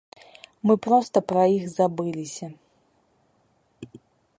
Мы проста пра іх забыліся.